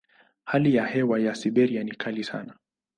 Hali ya hewa ya Siberia ni kali sana.